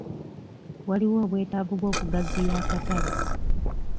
Waliwo obwetaavu bw'okugaziya akatale.